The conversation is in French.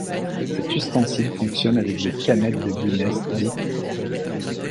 Cet ustensile fonctionne avec les canettes de Guinness dites '.